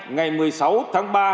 ngày một mươi sáu tháng bốn